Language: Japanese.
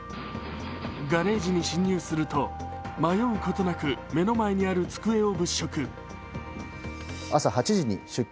ガレージに侵入すると迷うことなく、目の前にある机を物色。